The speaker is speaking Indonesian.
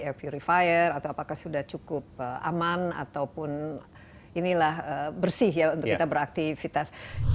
air purifier atau apakah sudah cukup aman ataupun inilah bersih ya untuk kita beraktivitas